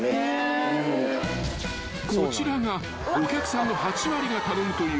［こちらがお客さんの８割が頼むという］